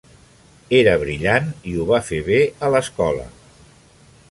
Era brillant i ho va fer bé a l'escola.